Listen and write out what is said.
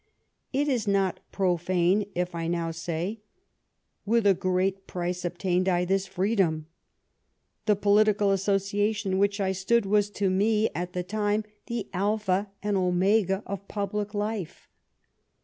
It is not profane if I now say, * With a great price obtained I this freedom.' The political associa tion in which I stood was to me, at the time, the alpha and omega of public life.